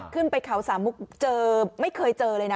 ขึ้นไปเขาสามมุกเจอไม่เคยเจอเลยนะ